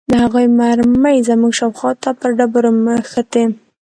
د هغوى مرمۍ زموږ شاوخوا ته پر ډبرو مښتې.